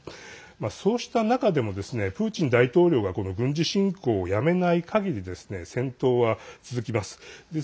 そうした中でもプーチン大統領がこの軍事侵攻をやめないかぎり戦闘は続きます。